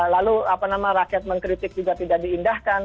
lalu rakyat mengkritik juga tidak diindahkan